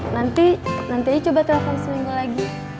nanti nantinya coba telepon seminggu lagi